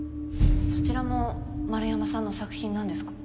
そちらも円山さんの作品なんですか？